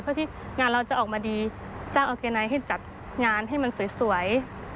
เพื่อที่งานเราจะออกมาดีจ้างออร์แกไนท์ให้จัดงานให้มันสวย